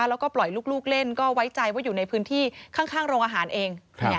แล้วก็ปล่อยลูกเล่นก็ไว้ใจว่าอยู่ในพื้นที่ข้างโรงอาหารเอง